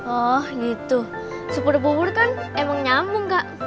oh gitu supur pupur kan emang nyambung kak